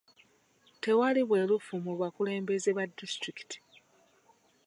Tewali bwerufu mu bakulembeze ba disitulikiti.